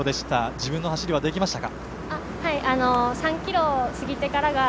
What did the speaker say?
自分の走りはできましたか？